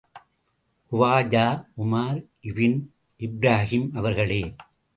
குவாஜா உமார் இபின் இப்ராஹீம் அவர்களே!